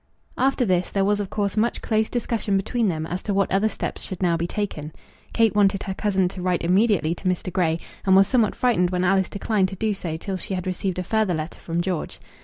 After this there was of course much close discussion between them as to what other steps should now be taken. Kate wanted her cousin to write immediately to Mr. Grey, and was somewhat frightened when Alice declined to do so till she had received a further letter from George.